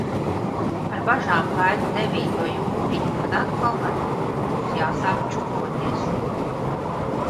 Ar bažām gaidu devīto jūniju, kad atkal varbūt būs jāsāk čupoties.